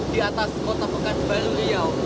di atas kota pekat baru riau